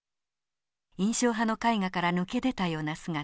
印象派の絵画から抜け出たような姿。